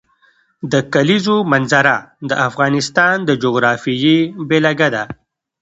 د کلیزو منظره د افغانستان د جغرافیې بېلګه ده.